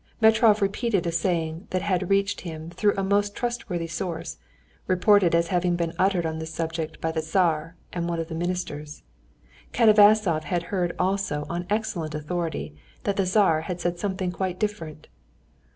Metrov repeated a saying that had reached him through a most trustworthy source, reported as having been uttered on this subject by the Tsar and one of the ministers. Katavasov had heard also on excellent authority that the Tsar had said something quite different.